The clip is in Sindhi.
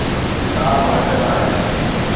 ڪابه حد ناهي.